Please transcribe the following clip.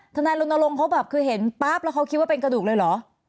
นายรณรงค์เขาแบบคือเห็นปั๊บแล้วเขาคิดว่าเป็นกระดูกเลยเหรอ